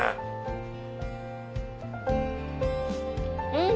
うん。